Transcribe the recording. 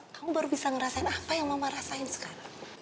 kamu baru bisa ngerasain apa yang mama rasain sekarang